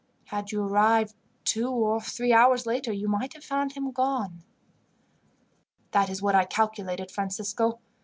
Had you arrived two or three hours later, you might have found him gone." "That is what I calculated, Francisco.